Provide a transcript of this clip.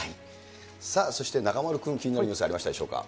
そして中丸君、気になるニュース、ありましたでしょうか。